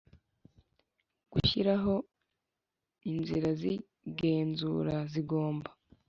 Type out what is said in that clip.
Gushyiraho inzira z igenzura zigomba